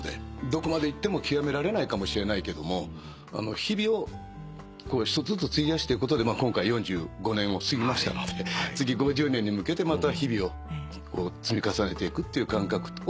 どこまでいっても究められないかもしれないけど日々を一つずつ費やしていくことで今回４５年を過ぎましたので次５０年に向けてまた日々を積み重ねていくという感覚を学んでいます。